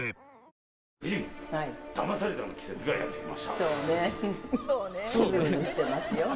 そうね。